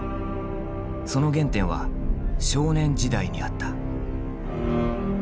その原点は少年時代にあった。